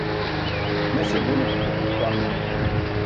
Mes iġulumaṭe buqpa.